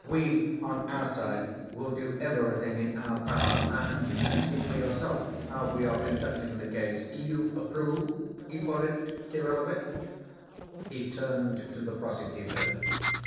We, on our side, will do everything in our power, and you can see for yourself how we are conducting the case. You approve, Ippolit Kirillovitch?" He turned to the prosecutor.